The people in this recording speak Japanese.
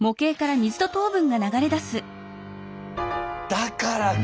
だからか！